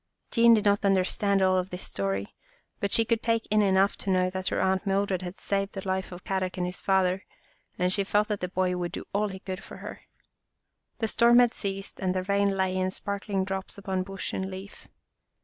Jean did not understand all of his story, but she could take in enough to know that her Aunt In the Bush 97 Mildred had saved the life of Kadok and his father, and she felt that the boy would do all he could for her. The storm had ceased and the rain lay in sparkling drops upon bush and leaf.